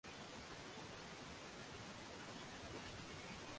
na mtu huyo akiwa amevaa bendera nchi moja